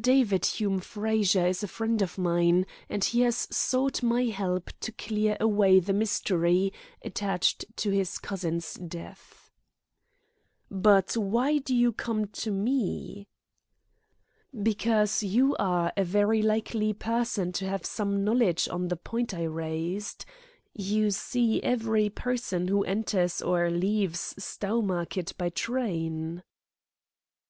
David Hume Frazer is a friend of mine, and he has sought my help to clear away the mystery attached to his cousin's death." "But why do you come to me?" "Because you are a very likely person to have some knowledge on the point I raised. You see every person who enters or leaves Stowmarket by train."